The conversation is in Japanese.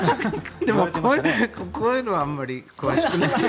でもこういうのはあんまり詳しくない。